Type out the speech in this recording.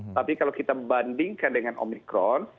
tapi kalau kita bandingkan dengan omikron